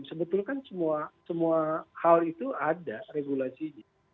sebetulnya kan semua hal itu ada regulasinya